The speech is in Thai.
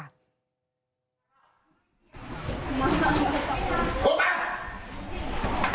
อ้าวอ้าวอ้าว